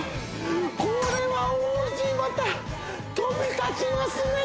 これは王子また飛び立ちますね